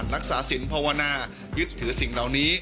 รักษาสินภาวนายึดถือสิ่งเหล่านี้